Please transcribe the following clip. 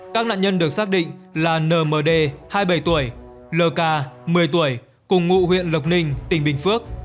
các nạn nhân được xác định là nmd hai mươi bảy tuổi lk một mươi tuổi cùng ngụ huyện lộc ninh tỉnh bình phước